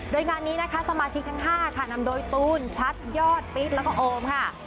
โดยงานนี้นะคะสมาชิกทั้ง๕ค่ะนำโดยตูนชัดยอดปิ๊ดแล้วก็โอมค่ะ